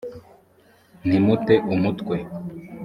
ntimute umutwe,